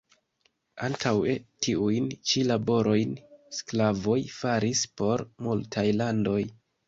Antaŭe tiujn ĉi laborojn sklavoj faris por multaj landoj.